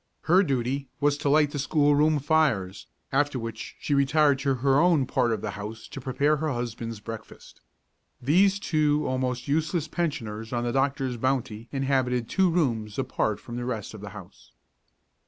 Her duty was to light the schoolroom fires, after which she retired to her own part of the house to prepare her husband's breakfast. These two almost useless pensioners on the doctor's bounty inhabited two rooms apart from the rest of the house.